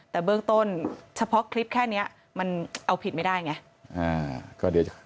แต่เบื้องต้นเฉพาะคลิปแค่นี้มันเอาผิดไม่ได้ไง